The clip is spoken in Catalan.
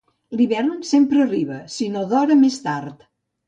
L'hivern sempre arriba, si no d'hora, més tard.